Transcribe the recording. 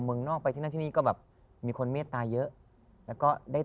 เมืองนอกไปที่นั่นที่นี่ก็แบบมีคนเมตตาเยอะแล้วก็ได้